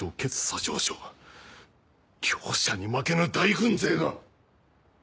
左丞相両者に負けぬ大軍勢が！